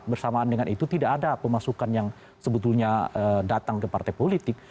bersamaan dengan itu tidak ada pemasukan yang sebetulnya datang ke partai politik